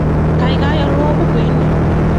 Kaikai alwon pukuit nin.